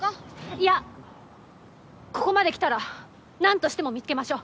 いやここまできたらなんとしても見つけましょう！